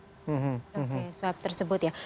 oke swab tersebut ya